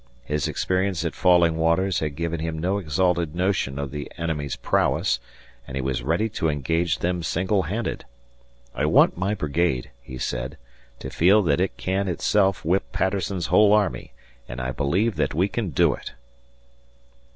His experience at Falling Waters had given him no exalted notion of the enemy's prowess and he was ready to engage them singlehanded. "I want my brigade," he said, "to feel that it can itself whip Patterson's whole army and I believe that we can do it."